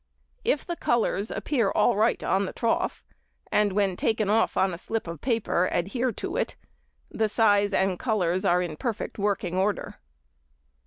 If the colours appear all right on the trough, and when taken off on a slip of paper adhere to it, the size and colours are in perfect working order.